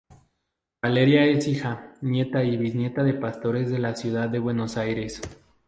Valeria es hija, nieta y bisnieta de pastores de la ciudad de Buenos Aires.